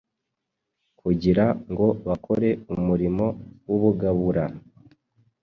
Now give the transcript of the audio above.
kugira ngo bakore umurimo w’ubugabura.